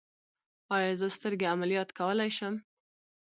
ایا زه سترګې عملیات کولی شم؟